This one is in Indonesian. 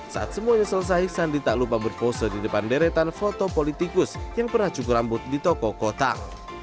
saat semuanya selesai sandi tak lupa berpose di depan deretan foto politikus yang pernah cukur rambut di toko kotak